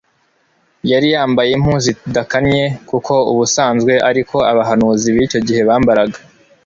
Yari yambaye impu zidakannye kuko ubusanzwe ariko abahanuzi bicyo gihe bambaraga